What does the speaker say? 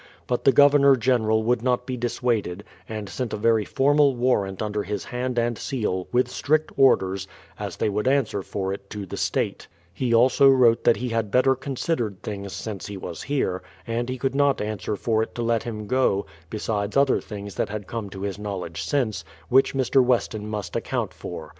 But the Governor General would not be dissuaded, and sent a very formal warrant under his hand and seal, with strict orders, as they would answer for it to the State ; he also wrote that he had better considered things since he was here, and he could not answer for it to let him go, besides other things that had come to his knowledge since, which Mr. Weston must ac count for.